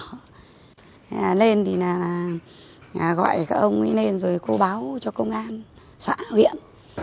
thế là lên thì là gọi các ông ấy lên rồi cô báo cho công an xã huyện